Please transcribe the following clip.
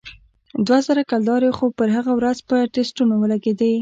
دوه زره کلدارې خو پر هغه ورځ په ټسټونو ولگېدې.